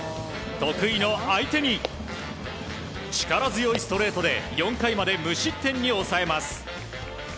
得意の相手に力強いストレートで４回まで無失点に抑えます。